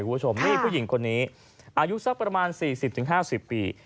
พวกมีผู้หญิงคนนี้อายุสักประมาณ๔๐๕๐ปี